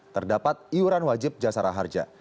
terdapat iuran wajib jasara harja